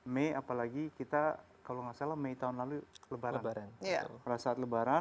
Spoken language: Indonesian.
mei apalagi kita kalau tidak salah mei tahun lalu lebaran